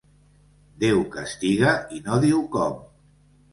Déu castiga i no diu com.